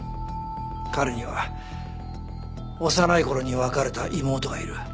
彼には幼い頃に別れた妹がいる。